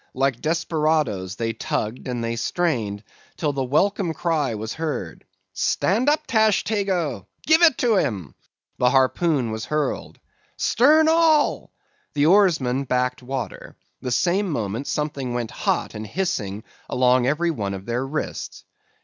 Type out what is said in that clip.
Like desperadoes they tugged and they strained, till the welcome cry was heard—"Stand up, Tashtego!—give it to him!" The harpoon was hurled. "Stern all!" The oarsmen backed water; the same moment something went hot and hissing along every one of their wrists.